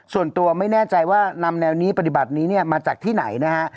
ส่วนตัวไม่แน่ใจว่านำแนวนี้ปฏิบัตินี้เนี่ยมาจากที่ไหนนะฮะ